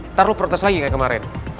ntar lo protes lagi kayak kemarin